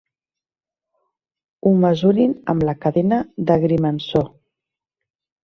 Ho mesurin amb la cadena d'agrimensor.